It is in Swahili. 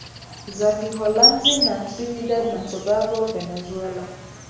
za Kiholanzi na Trinidad na Tobago Venezuela